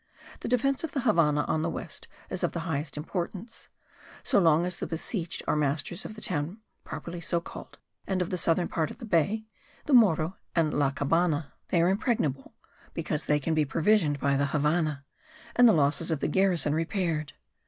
The defence of the Havannah on the west is of the highest importance: so long as the besieged are masters of the town, properly so called, and of the southern part of the bay, the Morro and La Cabana, they are impregnable because they can be provisioned by the Havannah, and the losses of the garrison repaired.